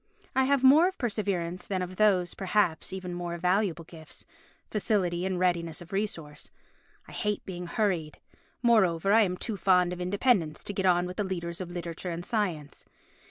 I have more of perseverance than of those, perhaps, even more valuable gifts—facility and readiness of resource. I hate being hurried. Moreover I am too fond of independence to get on with the leaders of literature and science.